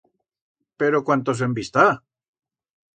Pero, cuántos en bi'stá?